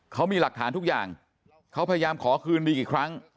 เขามีหลักฐานทุกอย่างเขาพยายามขอคืนดีกี่ครั้ง